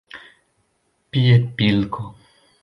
piedpilko